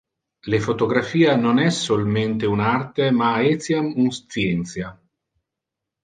Le photographia non es solmente un arte ma etiam un scientia.